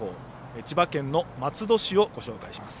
千葉県の松戸市をご紹介します。